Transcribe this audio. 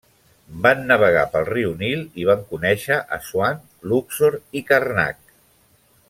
Van navegar pel riu Nil i van conèixer Assuan, Luxor i Karnak.